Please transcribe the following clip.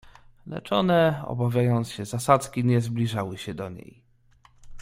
"Lecz one, obawiając się zasadzki, nie zbliżały się do niej."